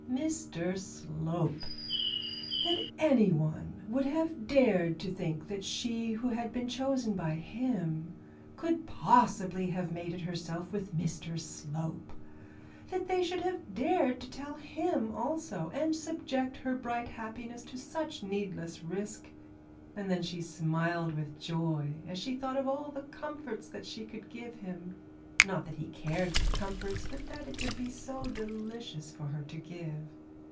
Mr Slope! That any one should have dared to think that she who had been chosen by him could possibly have mated herself with Mr Slope! That they should have dared to tell him, also, and subject her bright happiness to such a needless risk! And then she smiled with joy as she thought of all the comforts that she could give him; not that he cared for comforts, but that it would be so delicious for her to give.